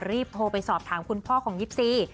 รีบโทรไปสอบถามคุณพ่อของยิปซี